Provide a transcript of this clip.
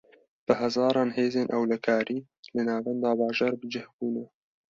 Bi hezaran hêzên ewlekarî, li navenda bajêr bi cih bûne